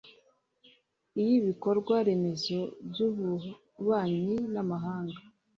iy'ibikorwa remezo, iy'ububanyi n'amahanga